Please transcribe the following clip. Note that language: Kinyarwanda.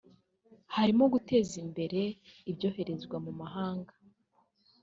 harimo guteza imbere ibyoherezwa mu mahanga